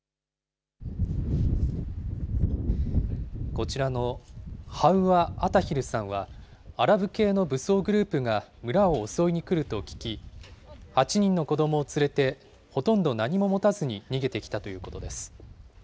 こちらのハウワ・アタヒルさんは、アラブ系の武装グループが村を襲いに来ると聞き、８人の子どもを連れてほとんど何も持たずに逃げてきたということです。